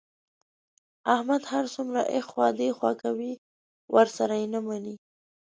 احمد هر څومره ایخوا دیخوا کوي، ورسره یې نه مني.